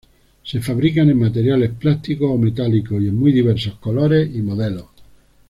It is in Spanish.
Se fabrican en materiales plásticos o metálicos y en muy diversos colores y modelos.